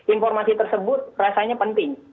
informasi tersebut rasanya penting